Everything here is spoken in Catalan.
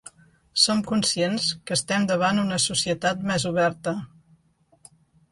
Som conscients que estem davant una societat més oberta.